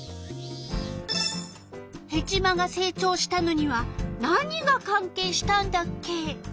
ヘチマが成長したのには何がかん係したんだっけ？